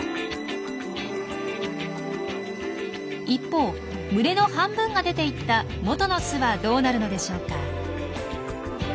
一方群れの半分が出ていった元の巣はどうなるのでしょうか？